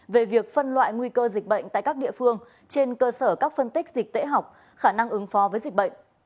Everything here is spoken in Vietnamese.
về việc phân loại nguy cơ dịch bệnh tại các địa phương trên cơ sở các phân tích dịch tễ học khả năng ứng phó với dịch bệnh